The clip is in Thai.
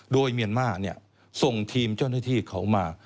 โดยเมียนมาร์ส่งทีมเจ้าหน้าที่เขามา